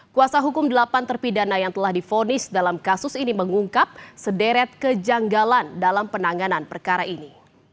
kuasa hukum delapan terpidana yang telah difonis dalam kasus ini mengungkap sederet kejanggalan dalam penanganan perkara ini